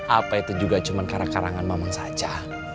apa itu juga cuma karang karangan mamang saja